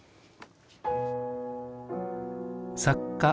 作家